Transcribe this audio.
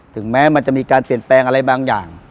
ถึงแม้มันจะมีการเปลี่ยนแปลงอะไรบางอย่าง